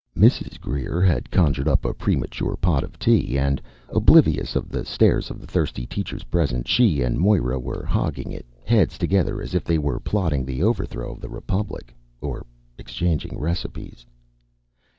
Mrs. Greer had conjured up a premature pot of tea and, oblivious of the stares of the thirsty teachers present, she and Moira were hogging it, heads together, as if they were plotting the overthrow of the Republic or exchanging recipes.